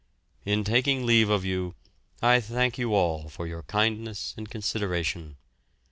In taking leave of you I thank you all for your kindness and consideration.